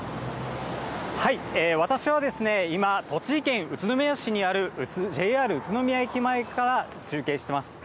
私は今、栃木県宇都宮市にあるＪＲ宇都宮駅前から中継しています。